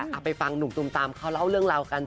เอาไปฟังหนุ่มตุมตามเขาเล่าเรื่องราวกัน